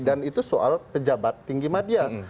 dan itu soal pejabat tinggi madya